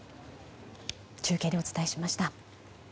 中継でお伝えしました。